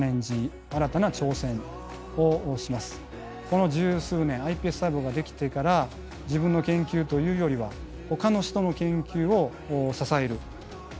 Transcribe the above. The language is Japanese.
この十数年ｉＰＳ細胞ができてから自分の研究というよりはほかの人の研究を支えるこれに一生懸命取り組んできました。